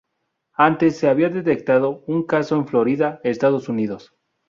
Antes, se había detectado un caso en Florida, Estados Unidos.